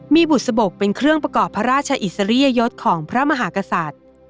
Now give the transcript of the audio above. มีบุษบกเป็นเครื่องประกอบพระราชอิสริยยศของพระมหากษัตริย์